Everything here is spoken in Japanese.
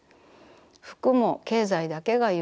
服も経済だけが優先。